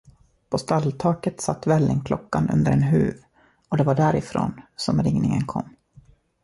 På stalltaket satt vällingklockan under en huv, och det var därifrån, som ringningen kom.